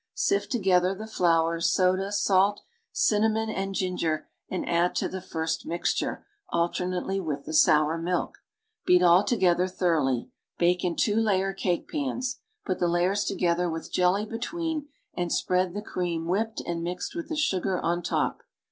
Sift together the flour, soda, salt, cinnamon and ginger and add to the first mixture alternately with the sour milk. Beat all together thoroughly. Bake in two layer cake pans. I'ut the layers together with jelly between, and spread the cream whipped and mixed with the sugar on top.